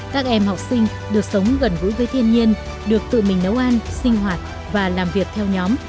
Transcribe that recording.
các em học sinh được sống gần gũi với thiên nhiên được tự mình nấu ăn sinh hoạt và làm việc theo nhóm